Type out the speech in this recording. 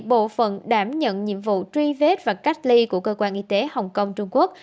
bộ phận đảm nhận nhiệm vụ truy vết và cách ly của cơ quan y tế hồng kông trung quốc